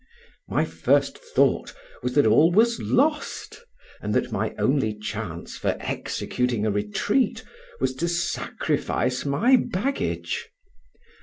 My first thought was that all was lost, and that my only chance for executing a retreat was to sacrifice my baggage.